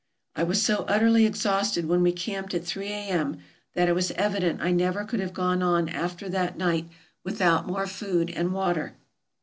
I was so utterly exhausted when we camped at three A.M. that it was evident I never could have gone on after that night without more food and water.